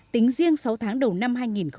tính riêng sáu tháng đầu năm hai nghìn một mươi chín